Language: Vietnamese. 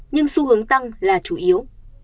nhưng xu hướng tăng là chủ yếu